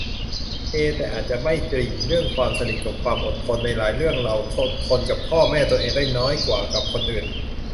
เอ แต่อาจจะไม่จริง เรื่องความสนิทกับความอดทน ในหลายเรื่องเราอดทนกับพ่อแม่ตัวเองได้น้อยกว่ากับคนอื่น